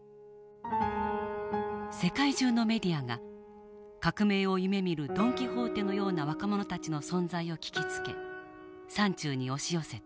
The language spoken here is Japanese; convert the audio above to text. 世界中のメディアが革命を夢みるドン・キホーテのような若者たちの存在を聞きつけ山中に押し寄せた。